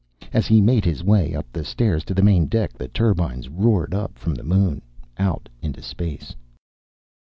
As he made his way up the stairs to the main deck the turbines roared up from the moon, out into space.